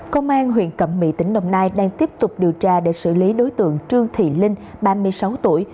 công an huyện cẩm mỹ tỉnh đồng nai đang tiếp tục điều tra để xử lý đối tượng trương thị linh ba mươi sáu tuổi